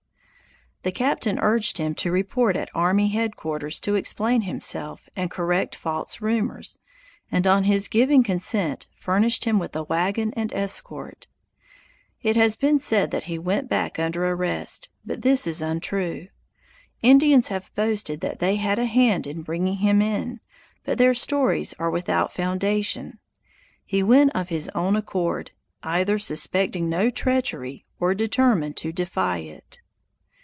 The captain urged him to report at army headquarters to explain himself and correct false rumors, and on his giving consent, furnished him with a wagon and escort. It has been said that he went back under arrest, but this is untrue. Indians have boasted that they had a hand in bringing him in, but their stories are without foundation. He went of his own accord, either suspecting no treachery or determined to defy it.